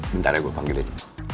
bentar ya gue panggilin